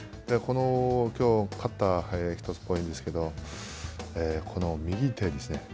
きょう勝った１つポイントなんですけれども、この右手ですね。